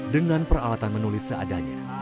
dengan perawatan menulis seadanya